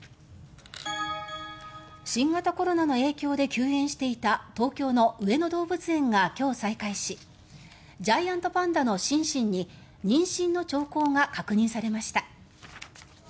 新型コロナの影響で休園していた東京の上野動物園が今日、再開しジャイアントパンダのシンシンに妊娠の兆候が確認されました。